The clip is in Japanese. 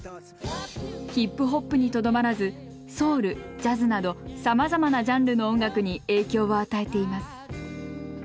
ヒップホップにとどまらずソウルジャズなどさまざまなジャンルの音楽に影響を与えています。